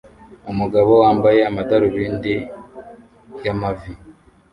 Umugabo wambaye amadarubindi y'amavi